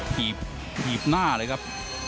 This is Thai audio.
ถีบหน้าเลยครับ